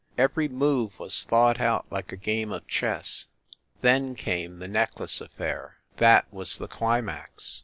Every move was thought out like a game of chess. Then came the necklace affair. That was the climax.